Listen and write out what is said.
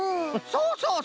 そうそうそう。